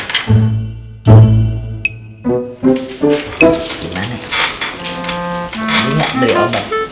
gimana beli obat